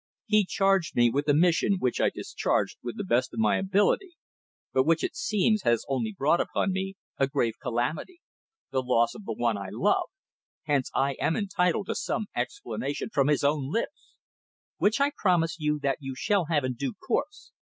He charged me with a mission which I discharged with the best of my ability, but which, it seems, has only brought upon me a grave calamity the loss of the one I love. Hence I am entitled to some explanation from his own lips!" "Which I promise you that you shall have in due course.